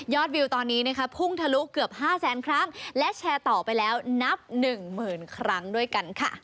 วิวตอนนี้นะคะพุ่งทะลุเกือบ๕แสนครั้งและแชร์ต่อไปแล้วนับหนึ่งหมื่นครั้งด้วยกันค่ะ